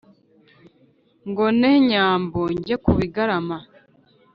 ngo nte nyambo njye ku bigarama,